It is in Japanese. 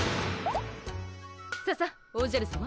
ささっおじゃるさま。